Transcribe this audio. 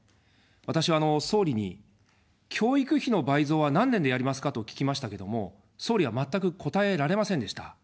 私は総理に、教育費の倍増は何年でやりますかと聞きましたけども、総理は全く答えられませんでした。